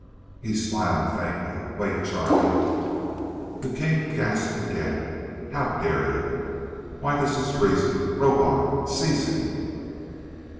He smiled faintly. "Wait, Charlie." The king gasped again. "How dare you? Why, this is treason! Rohbar, seize him!"